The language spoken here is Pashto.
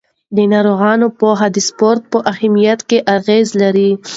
د ناروغانو پوهه د سپورت په اهمیت کې اغېزه لري.